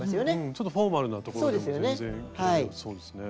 ちょっとフォーマルなところでも全然着られそうですね。